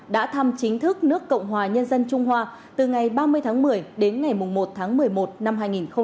đã thăm chính thức nước cộng hòa nhân dân trung hoa từ ngày ba mươi tháng một mươi đến ngày một tháng một mươi một năm hai nghìn một mươi chín